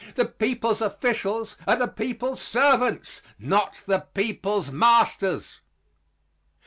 The people's officials are the people's servants, not the people's masters.